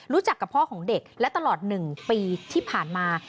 รู้จักกับพ่อของเด็กและตลอด๑ปีที่ผ่านมา